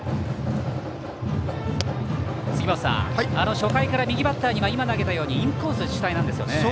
杉本さん初回から右バッターにはインコース主体なんですね。